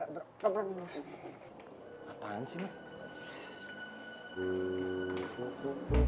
bro eh apaan sih